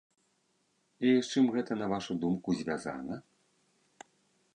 І з чым гэта, на вашу думку, звязана?